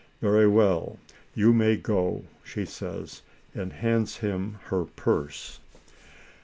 "Very well, you may go," she says, and hands him her purse.